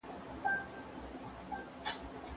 اړیکې سته.